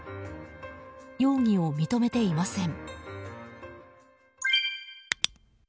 容疑を認めていません。